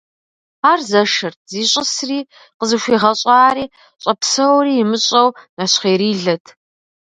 Ар зэшырт, зищӀысри, къызыхуигъэщӀари, щӀэпсэури имыщӀэу, нэщхъеирилэт.